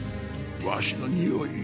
わしのにおい？